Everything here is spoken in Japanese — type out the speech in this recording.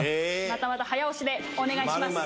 またまた早押しでお願いします。